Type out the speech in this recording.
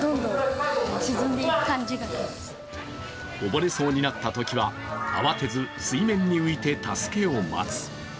溺れそうになったときは、慌てず水面に浮いて助けを待つ。